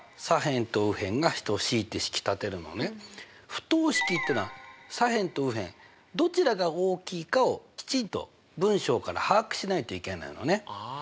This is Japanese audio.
不等式ってのは左辺と右辺どちらが大きいかをきちんと文章から把握しないといけないのね。